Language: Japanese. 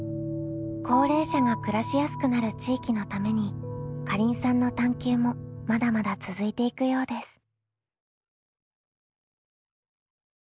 高齢者が暮らしやすくなる地域のためにかりんさんの探究もまだまだ続いていくようです。